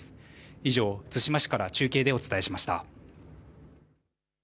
以上、対馬市から中継でお伝えしました。